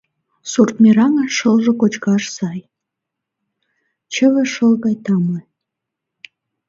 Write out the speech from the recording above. Сурт мераҥын шылже кочкаш сай, чыве шыл гай тамле.